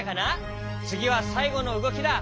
つぎはさいごのうごきだ。